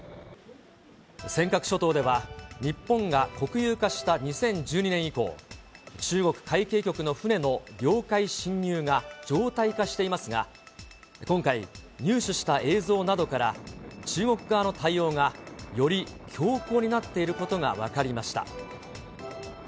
尖閣諸島では日本が国有化した２０１２年以降、中国海警局の船の領海侵入が常態化していますが、今回、入手した映像などから、中国側の対応がより強硬になっていることが分かりました。